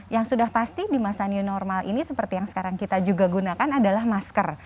yang sudah pasti di masa new normal ini seperti yang sekarang kita juga gunakan adalah masker